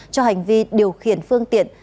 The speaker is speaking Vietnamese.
cho hành vi điều khiển phương tiện